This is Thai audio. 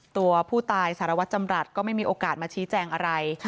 ตัวผู้ตายสารวัตรจำรัฐก็ไม่มีโอกาสมาชี้แจงอะไร